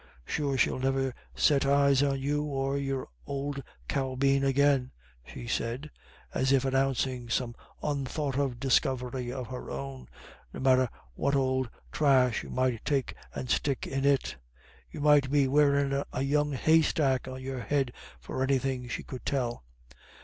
Sure she'll never set eyes on you or your old caubeen agin," she said, as if announcing some unthought of discovery of her own, "no matter what ould thrash you might take and stick in it. You might be wearin' a young haystack on your head for anythin' she could tell."